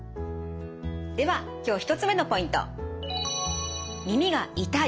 では今日１つ目のポイント。